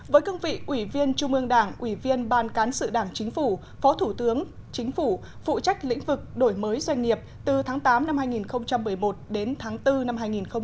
với cương vị ủy viên trung ương đảng ủy viên ban cán sự đảng chính phủ phó thủ tướng chính phủ phụ trách lĩnh vực đổi mới doanh nghiệp từ tháng tám năm hai nghìn một mươi một đến tháng bốn năm hai nghìn một mươi tám